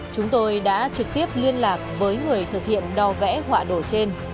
chúng tôi đã trực tiếp liên lạc với người thực hiện đo vẽ họa đồ trên